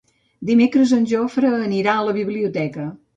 Dimecres en Jofre anirà a la biblioteca.